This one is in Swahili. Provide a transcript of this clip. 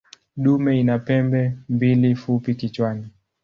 Dume ina pembe mbili fupi kichwani.